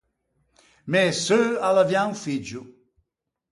Mæ seu a l’avià un figgio.